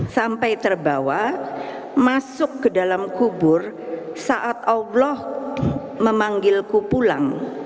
sampai terbawa masuk ke dalam kubur saat allah memanggilku pulang